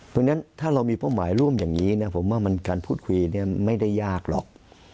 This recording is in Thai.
เพราะฉะนั้นถ้าเรามีเป้าหมายร่วมอย่างนี้นะผมว่าการพูดคุยไม่ได้ยากหรอก